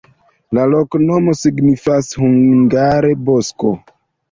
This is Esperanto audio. La loknomo signifas hungare: bosko.